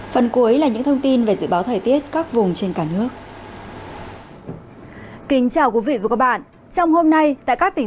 phần cuối là những thông tin về dự báo thời tiết các vùng trên cả nước